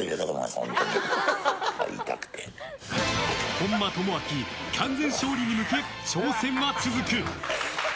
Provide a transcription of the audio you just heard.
本間朋晃、完全勝利に向け挑戦は続く！